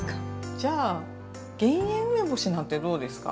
じゃあ「減塩梅干し」なんてどうですか。